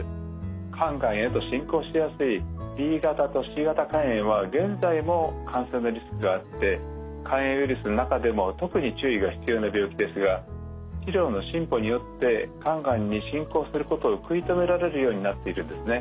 肝がんへと進行しやすいＢ型とＣ型肝炎は現在も感染のリスクがあって肝炎ウイルスの中でも特に注意が必要な病気ですが医療の進歩によって肝がんに進行することを食い止められるようになっているんですね。